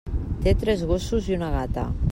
Té tres gossos i una gata.